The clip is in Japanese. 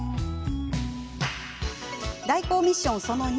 代行ミッションその２。